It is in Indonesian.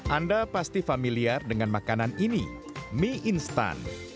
anda pasti familiar dengan makanan ini mie instan